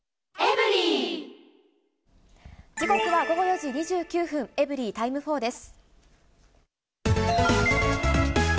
時刻は午後４時２９分、エブリィタイム４です。